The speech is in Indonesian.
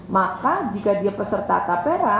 maka jika dia peserta kapera